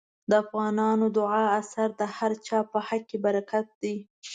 د افغان د دعا اثر د هر چا په حق کې برکت دی.